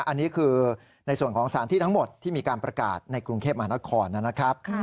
อันนี้คือในส่วนของสถานที่ทั้งหมดที่มีการประกาศในกรุงเทพมหานครนะครับ